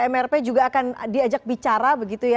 mrp juga akan diajak bicara